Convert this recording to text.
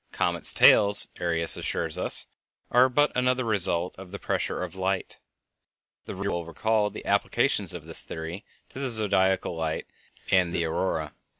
Comets' tails, Arrhenius assures us, are but another result of the pressure of light. The reader will recall the applications of this theory to the Zodiacal Light and the Aurora.